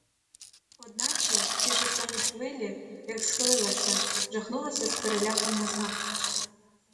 Одначе в тій же самій хвилі, як схилилася, жахнулася з переляком назад.